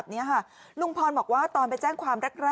อ้อฟ้าอ้อฟ้าอ้อฟ้าอ้อฟ้าอ้อฟ้า